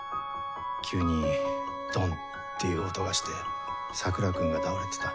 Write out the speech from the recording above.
急にドンっていう音がして桜君が倒れてた。